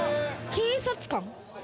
警察官？